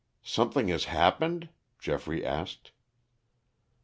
"Something has happened?" Geoffrey asked.